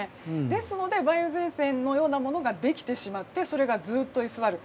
ですので梅雨前線のようなものができてしまいそれがずっと居座る。